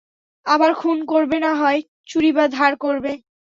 আবার খুন করবে না হয় চুরি বা ধার করবে।